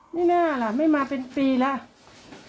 ไม่น่าล่ะไม่มาเป็นปีแล้ว